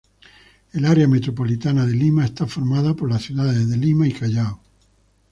El área metropolitana de Lima está formado por las ciudades de Lima y Callao.